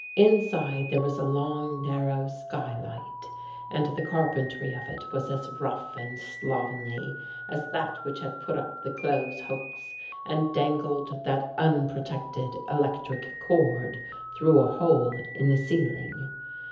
Inside there was a long narrow sky light and the carpentry of it was as rough and slovenly as that which had put up the clothes hooks and dangled that unprotected electric cord through a hole In the ceiling.